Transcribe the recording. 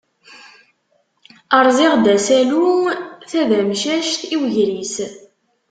Rẓiɣ-d asalu tadamcact i wegris.